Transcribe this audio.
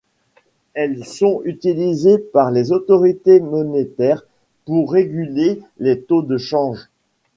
Elles sont utilisées par les autorités monétaires pour réguler les taux de change.